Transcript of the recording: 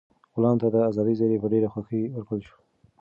غلام ته د ازادۍ زېری په ډېره خوښۍ ورکړل شو.